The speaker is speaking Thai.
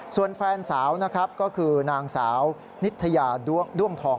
ส่วนแฟนสาวนะครับก็คือนางสาวนิทยาด้วงทอง